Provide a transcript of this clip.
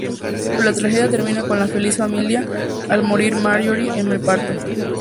Pero la tragedia termina con la feliz familia, al morir Marjorie en el parto.